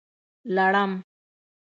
لړم